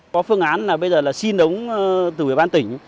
có phương án là bây giờ là xin ống tùy ban tỉnh